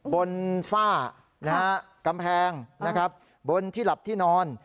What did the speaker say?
ฝ้ากำแพงนะครับบนที่หลับที่นอน